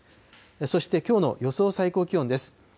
そしてきょうの予想最高気温です。